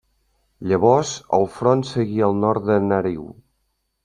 Llavors el front seguí al nord del Narew.